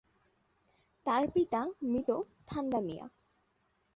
তার পিতা মৃত ঠান্ডামিয়া।